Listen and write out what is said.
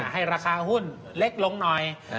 ให้ราคาหุ้นเล็กลงหน่อย